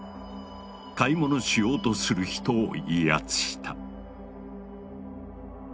買い物しようとする人を威圧した。